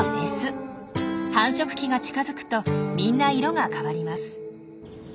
繁殖期が近づくとみんな色が変わります。